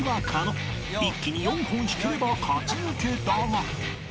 一気に４本引ければ勝ち抜けだが